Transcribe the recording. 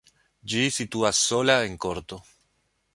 Ĝi situas sola en korto.